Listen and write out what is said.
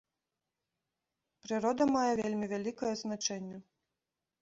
Прырода мае вельмі вялікае значэнне.